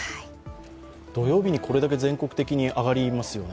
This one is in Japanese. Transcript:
土曜日にこれだけ全国的に上がりますよね。